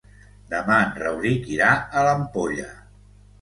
Demà en Rauric irà a l'Ampolla.